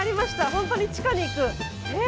本当に地下に行く。え？